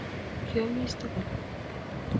Kiomis tugul